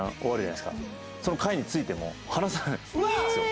その階に着いても離さないんですよ。